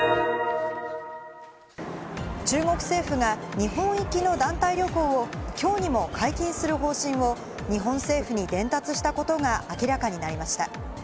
中国政府が日本行きの団体旅行をきょうにも解禁する方針を日本政府に伝達したことが明らかになりました。